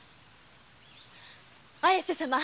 綾瀬様